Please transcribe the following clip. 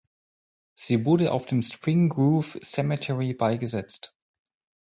Sie wurde auf dem Spring Grove Cemetery beigesetzt.